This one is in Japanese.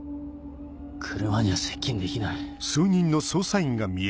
車には接近できない。